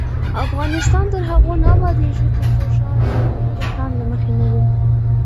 افغانستان تر هغو نه ابادیږي، ترڅو ښار جوړونه د پلان له مخې نه وي.